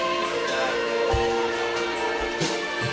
perkerjaan ini adalah panggilan jiwanya